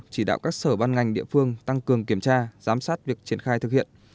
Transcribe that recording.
chỉ đạo các sở ban ngành địa phương tăng cường kiểm tra giám sát việc triển khai thực hiện